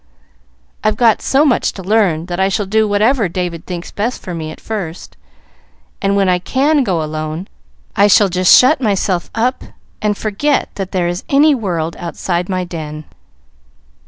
"I've got so much to learn, that I shall do whatever David thinks best for me at first, and when I can go alone, I shall just shut myself up and forget that there is any world outside my den."